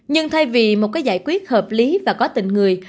nhưng thay vì một cái giải quyết hợp lý và có tình người